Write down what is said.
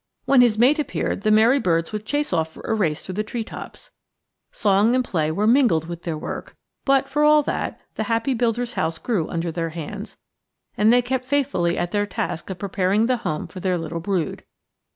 When his mate appeared the merry birds would chase off for a race through the treetops. Song and play were mingled with their work, but, for all that, the happy builders' house grew under their hands, and they kept faithfully at their task of preparing the home for their little brood.